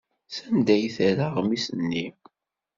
Sanda ay terra aɣmis-nni?